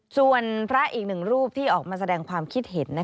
ส่วนพระอีกหนึ่งรูปที่ออกมาแสดงความคิดเห็น